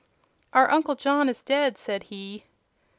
"Our uncle John is dead," said he.